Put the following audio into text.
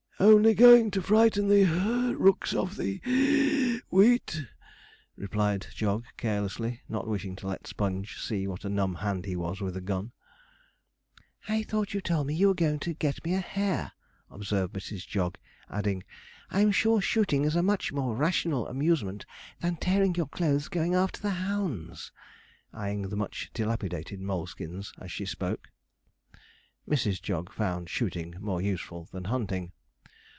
'Only going to frighten the (puff) rooks off the wheat,' replied Jog carelessly, not wishing to let Sponge see what a numb hand he was with a gun. 'I thought you told me you were going to get me a hare,' observed Mrs. Jog; adding, 'I'm sure shooting is a much more rational amusement than tearing your clothes going after the hounds,' eyeing the much dilapidated moleskins as she spoke. Mrs. Jog found shooting more useful than hunting.